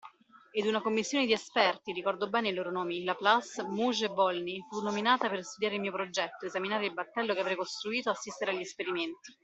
Ed una commissione di esperti, ricordo bene i loro nomi: La Place, Mouge e Volney, fu nominata per studiare il mio progetto, esaminare il battello che avrei costruito, assistere agli esperimenti.